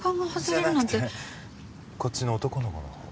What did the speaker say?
じゃなくてこっちの男の子のほう。